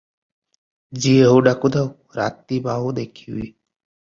ଯିଏ ହେଉ ଡାକୁଥାଉ, ରାତି ପାହୁ ଦେଖିବି ।